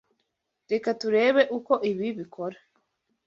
Reka turebe uko ibi bikora.